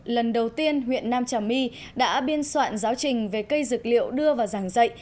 lần đầu tiên huyện nam trà my đã biên soạn giáo trình về cây dược liệu đưa vào giảng dạy